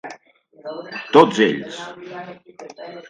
Tots ells!